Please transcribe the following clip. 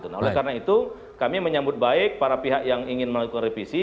nah oleh karena itu kami menyambut baik para pihak yang ingin melakukan revisi